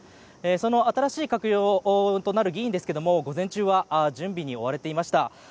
その新しい閣僚となる議員ですが午前中は準備に追われていました。